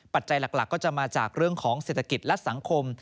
ปัจจัยหลักก็จะมาจากเรื่องของเศรษฐกิจและสังคม